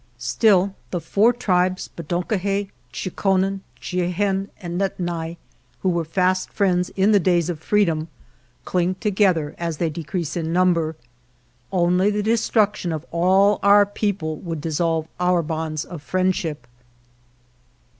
Still the four tribes (Bedonkohe, Cho konen, Chihenne, and Nedni) , who were fast friends in the days of freedom, cling to gether as they decrease in number. Only the destruction of all our people would dissolve our bonds of friendship.